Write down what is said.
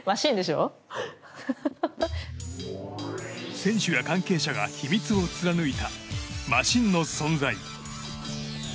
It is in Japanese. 選手や関係者が秘密を貫いたマシンの存在。